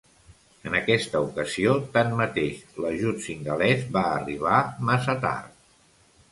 En aquesta ocasió tanmateix l'ajut singalès va arribar massa tard.